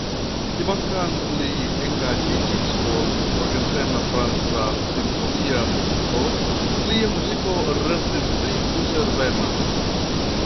Kvankam li engaĝiĝis por progresema franca simfonia muziko, lia muziko restis pli konservema.